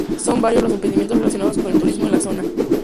Son varios los emprendimientos relacionados con el turismo en la zona.